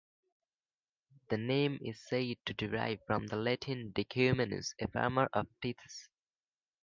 The name is said to derive from the Latin "decumanus", a farmer of tithes.